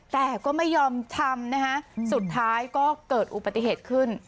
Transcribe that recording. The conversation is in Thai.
แต่ก็ไม่ยอมทำนะคะสุดท้ายก็เกิดอุบัติเหตุขึ้น